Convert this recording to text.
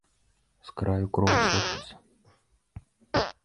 З краю кроў сочыцца.